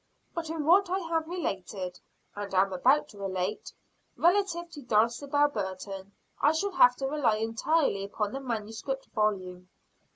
But in what I have related, and am about to relate, relative to Dulcibel Burton, I shall have to rely entirely upon the manuscript volume.